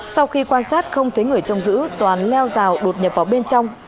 sau khi quan sát không thấy người trông giữ toàn leo rào đột nhập vào bên trong